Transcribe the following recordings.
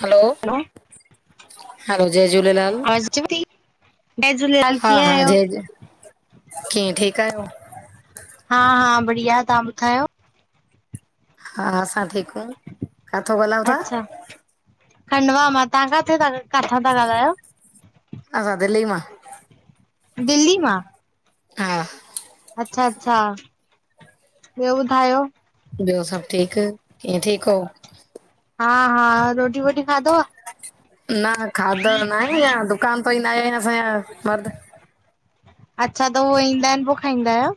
हलो- hello, जय झूलेलाल। आवाज़ अचेव ती? हा- हा जय झ, कीअं ठीकु आहियो? हा- हा बढ़िया, तां ॿुधायो? हा, असां ठीक आंयू। अच्छा, खंडवा मां, तां काथां था ॻाल्हायो? असां, दिल्ली मां। दिल्ली मां! हा। अच्छा- अच्छा! ॿियो ॿुधायो? ॿियो सब ठीकु, कीअं ठीकु हो? हा हा, रोटी- वोटी खाधव? न खाधो त न आहे, अंया दुकान तां ई न आया आहिन असांजा मर्द। अच्छा, त उह ईंदा आहिन, पो खाईंदा आहयो?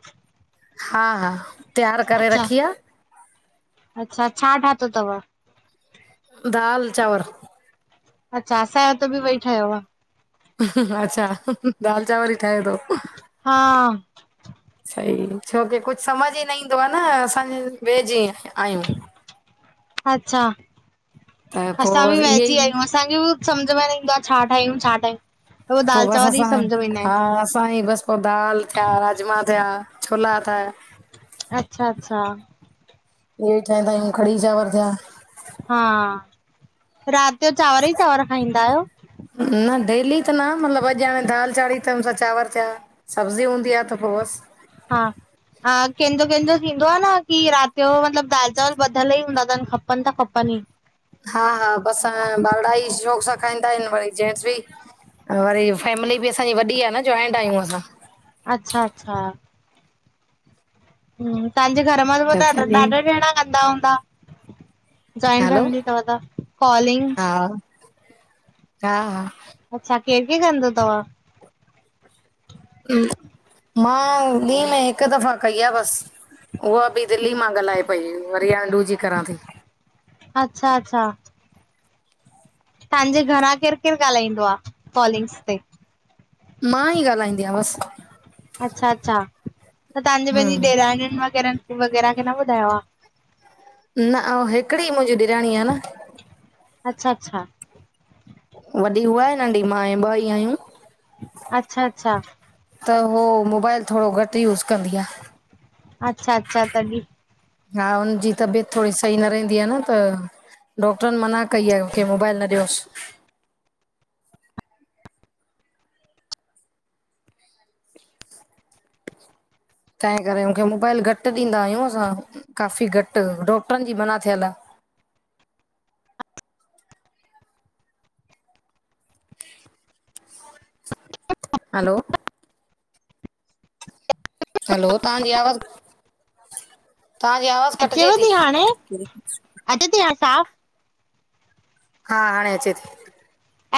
हा -हा, तयारु करे अच्छा रखी आहे। अच्छा,? छा ठातो अथव? दालि -चांवर। अच्छा -असांजो त बि वई ठहियो आ। अच्छा, दाल -चांवर ई ठाहियो थव। हा सही, छोकी कुझ सम्झ ई न ईंदो आहे न असांजे वेिझे आहियूं। अच्छा, त असां बि पोइ इहे वेजी ई आयायूं। असांखे सम्झ में न ईंदो आहे, छा ठाहियूं छा ठाहियूं। त उहो दाल पोइ बस चांवर ई असां सम्झ में ईंदा हा, आहिनि। असांजी बसि पोइ दाल थिया, राजमा थिया, छोला थिया। अच्छा-अच्छा। इहे ठाहिंदा आहियूं क़डी -चावर थिया। हा, रात जो चांवर ई चांवर खाईंदा आहियो? न डेली त न मतिलब अॼ हाणे दाल चाढ़ी तो हुंनसा चांवर थिया। सब्जी हूंदी आहे त पोइ बस। हा - - हा कंहिंजो कंहिंजो थींदो आहे न, की रात जो मतिलब दाल चावल ॿधियल ई हूंदा अथन खपनि त खपनि ई। हा हा बसरू वाड़ा ई शौक़ु सां खाईंदा आहिन, वरी जेंट्स बि। वरी फैमिली बि असांजी वॾी आहे न जॉइंट आहियूं असां। अच्छा अच्छा। तव्हांजे घर मां त ॾाढा जणा कंदा हूंदा। जॉइंट हलो फैमिली तव त, कॉलिंग्स हा हा हा - - अच्छा, केंहिखे कंदो तवा? मां ॾीं में हिकु दफ़ा कई आहे बस। उहा बि दिल्ली मां ॻाल्हाए पई वरियाडू जी करां थी। अच्छा अच्छा। तव्हांजे घरां केरु केरु ॻाल्हाईंदो आहे कॉलिंग्स ते? मां ई ॻाल्हाईंदी आहिया बस। अच्छा अच्छा त तव्हांजी पंहिंजी हम ॾेराणियुन वग़ैरह, वग़ैरह खे न ॿुधायो आ। न अउ हिकिड़ी मुंहिंजी ॾेराणी आ न। अच्छा-अच्छा। वॾी उहा आहे नंढी मां ऐं ॿ ई आहियूं। अच्छा अच्छा। त उहो मोबाइल थोरो घटि यूस कंदी आ। अच्छा अच्छा तॾी। हा हुनजी तबियत थोरी सही न रहंदी आ न त। डॉक्टरन मना कई आहे मूंखे मोबाइल न ॾियोस। तंहिं करे मूंखे मोबाइल घट ॾींदा आहियूं काफ़ी घटि, डॉकटरन जी मना थियल आ। हैलो। हैलो तव्हांजी आवाज़, तव्हांजी आवाज़ कटिजे थी। अ ते तहासाफ़ [unintelligible] हा हाणे अचे थी।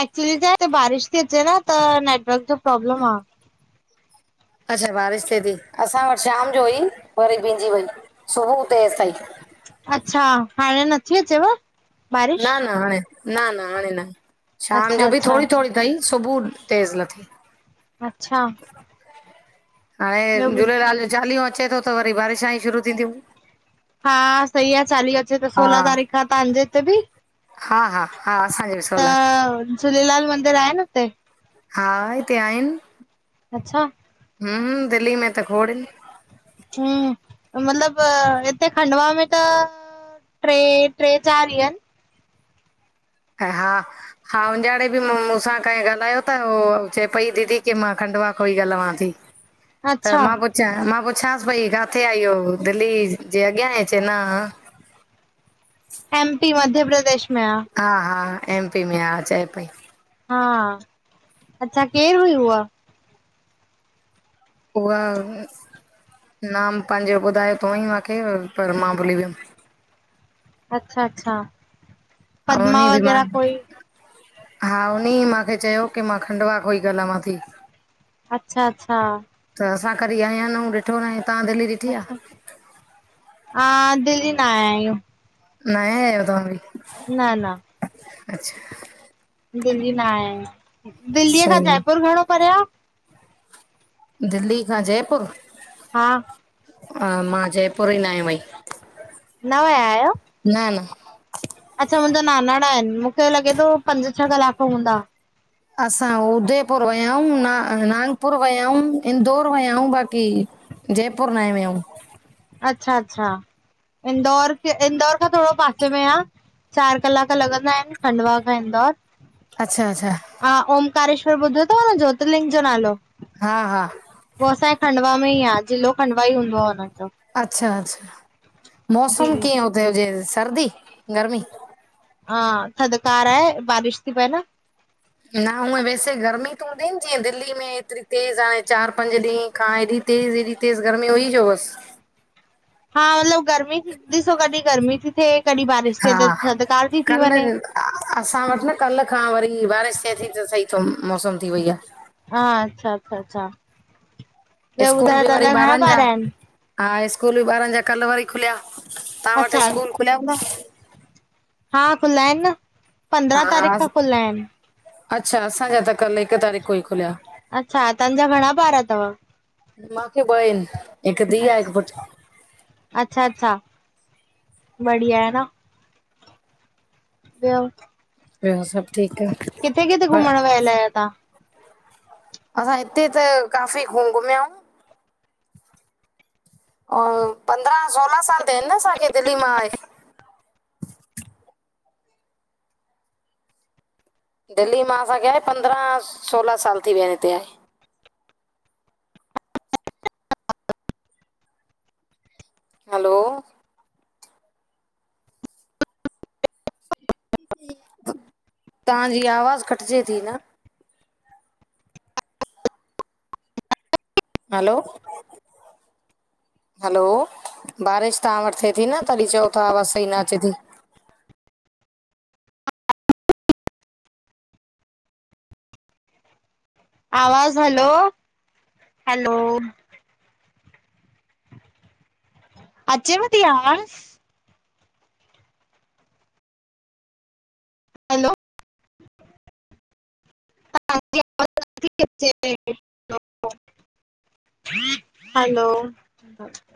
एक्चुली छा हिेते बारिश थी अचे न, त नेटवर्क जो प्रोब्लम आ। अच्छा बारिश थिए थी? असां वट शाम जो हुई वरी पंहिंजी वई, सुबुह तेस ताईं। अच्छा! हाणे नथी अचेव? बारिश? न न हाणे, न न हाणे न, शाम अच्छा जो बि अच्छा थोङी थोङी तई, सुबुह तेज़ लथी। अच्छा! हाणे ॿियो ॿुध झूलेलाल जो चालीहो अचे थो त वरी बारिशा ई शुरू थींदियूं। हा सही आ चालीहो अचे तो सोलहां हा तारीख़ खां तहांजे हिते बि? हा हा। हा असांज त झूलेलाल मंदिर आहिन उते? हा हिते आहिन। अच्छा! हम्म दिल्ली में त खोड़ हिंन। हम्म, मतिलबु हिते खंडवा में त ट्रे, ट्रे चार ई अंन। ह हा। हा उजाणे बि मू मूसां कहिं ॻाल्हायो त, उ चए पई दीदी की मां खंडुवा कोई ॻाल्हवां थी। ह [inaudible] त मां पुछां मां पुछांसि पइ, काथे आ ईयो? दिल्ली जे अॻियां आहे चेंई - न। एम पी मध्य प्रदेश में आ। हा हा एम-पी में आ चए पई। हा, अच्छा, केरु हुई उहा? उहा, नाम पंहिंजो ॿुधायो त हुअंई माखे, पर मां भुलि वियम। अच्छा अच्छा, ऐं उन पदमा बि मां वगैरह कोई! हा उन ई माखे चयो कि मां खंडवा को ईं गालावां थी। अच्छा अच्छा। त असां कॾी आया न यूं, ॾिठो न आय तंआ दिल्ली ॾिठी अच्छा, आहे आ दिल्ली न आया आहियूं। न आया यो तवां बि? न न। अच्छा अच्छा। दिल्ली न आया यूं, दिल्लीअ खां सही जयपुर घणो परे आ? दिल्ली खां जयपुर? हा हा मां जयपुर ई न वयमई। न वया आहियो? न न। अच्छा मुंहिंजा नानाणाआहिन, मूंखे लॻे थो पंज छह कलाक त हूंदा। असां उदयपुर वया यूं, ना नागपुर वया आयूं, इंदौर वया यूं बाक़ी जयपुर नाए वियायूं। अच्छा अच्छा, इंदौर - इंदौर खां थोङो पासे में आ। चार कलाक लॻंदा आहिन, खंडवा खां इंदौर। अच्छा अच्छा हा ओमकारेश्वर ॿुधो थव न ज्योतिलिंग जो नालो? हा हा। उ असांजे खंडवा में ई आ, जिलो खंडवा ई हूंदो आ हुनंन जो। अच्छा अच्छा मौसम कीअं हुते हुजे सर्दी गर्मी? हा थधिकार आहे बारिश थी पए न। न हूअ वैसे गर्मी त हूंदी न जीअं दिल्ली में एतिरी तेज़ हाणे चार पंज ॾींहं खा हेएॾी तेज़ हेएॾी तेज़ गर्मी हुई जो बस। हा मतिलब गर्मी ॾिसो कॾहिं गर्मी थी थिए कॾहिं बारिश थिए त थधिकार थी ती वञे। अअसां वट न कल्ह खां वरी बारिश थिए थी त सही थो मौसम थी वई आ। हा अच्छा अच्छा अच्छा ॿियो स्कूल बि ॿुधायो वरी तांज़ा घणा ॿारनि जा ॿार अहिन? हा स्कूल ॿारन जा कल्ह वरी खुलिया तव्हां वट अच्छा स्कूल खुलिया हूंदा? हा खुला अहिन न। हा पंद्रहं तारीख़ हा, खां खुला आहिनि। अच्छा असांजा त कल्ह हिकु तारीख़ो ई खुलिया अच्छा तव्हांजा घणा ॿार अथव? माखे ॿ अहिन हिकु धीअ, हिकु अच्छा पुट। अच्छा अच्छा, बढ़िया आहे न। ॿियो? ॿियो सभ ठीक आहे। किथे किथे घुमण वहिल अयो ता? असां हिते त काफ़ी घुम घुमियाऊयूं। अ--पंद्रहं, सोरहां साल थिआ आहिनि न असांखे दिल्ली मां आये। दिल्ली मां असांखे आये पंद्रहं सोलहां साल थी विया आहिन हिते आये। हलो तांजी आवाज़ कटिजे थी न। हलो हलो, बारिश तव्हां वटि थिए थी न तॾहिं चओ था आवाज़ सही न अचे ती। आवाज़ हलो, हलो। अचे व ती आवाज़? हलो तव्हांजी आवाज़ न थी अचे पई। हलो - -